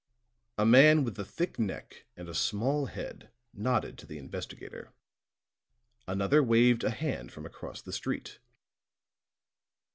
A man with a thick neck and a small head nodded to the investigator; another waved a hand from across the street.